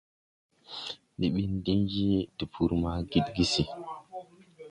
Ndi ɓin diŋ je tpur ma Gidgisi.